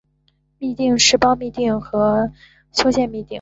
嘧啶是胞嘧啶和胸腺嘧啶。